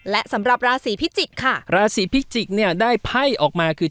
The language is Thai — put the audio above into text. และสำหรับราศีพิจิกษ์ค่ะราศีพิจิกเนี่ยได้ไพ่ออกมาคือ